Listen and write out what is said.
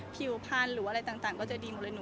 ผิวพลานหรืออะไรต่างก็จะดีมากเลย